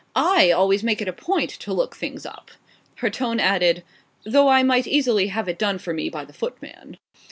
I always make it a point to look things up." Her tone added "though I might easily have it done for me by the footman."